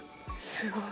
すごい。